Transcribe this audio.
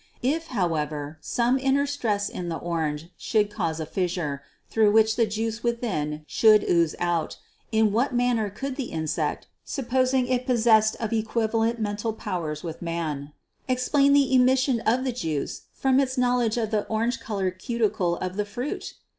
If, however, some inner stress in the orange should cause a fissure, through which the juice within should ooze out, in what manner could the insect (supposing it possessed of equivalent mental powers with Man) explain the emission of the juice from its knowledge of the orange colored cuticle of the fruit?